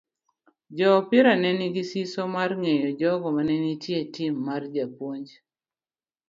Joopira ne nigi siso mar ng'eyo jogo mane nitie e tim mar japuonj.